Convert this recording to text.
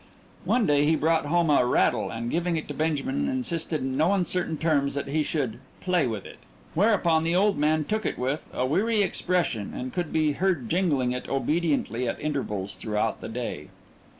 One day he brought home a rattle and, giving it to Benjamin, insisted in no uncertain terms that he should "play with it," whereupon the old man took it with a weary expression and could be heard jingling it obediently at intervals throughout the day.